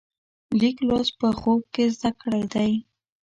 لیک لوست په خوب کې زده کړی دی.